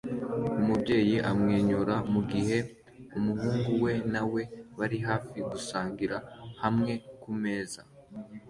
Umubyeyi amwenyura mugihe umuhungu we na we bari hafi gusangirira hamwe kumeza